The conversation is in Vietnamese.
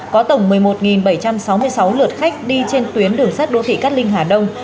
có tổng một mươi một bảy trăm sáu mươi sáu lượt khách đi trên tuyến đường sắt đô thị cát linh hà đông